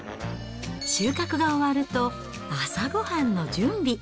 収穫が終わると、朝ごはんの準備。